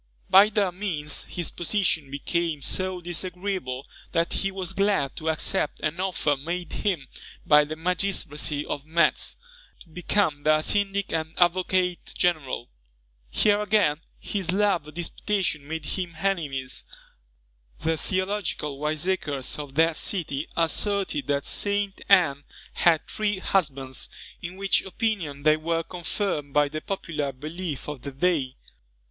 By their means his position became so disagreeable that he was glad to accept an offer made him by the magistracy of Metz, to become their syndic and advocate general. Here, again, his love of disputation made him enemies: the theological wiseacres of that city asserted that St. Ann had three husbands, in which opinion they were confirmed by the popular belief of the day.